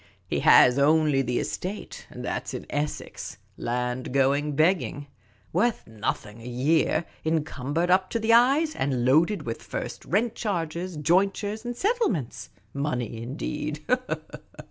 He has only the estate, and that 'sin Essex ; land going begging ; worth nothing a year, encumbered up to the eyes, and loaded with first rent charges, jointures, settle ments. Money, indeed